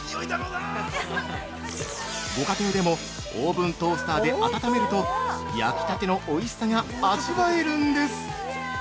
ご家庭でもオーブントースターで温めると焼きたてのおいしさが味わえるんです！